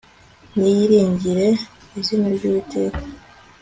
Niyiringire izina ryu witeka